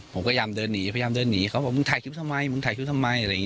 ผมก็พยายามเดินหนีพยายามเดินหนีเขาบอกมึงถ่ายคลิปทำไมมึงถ่ายคลิปทำไมอะไรอย่างนี้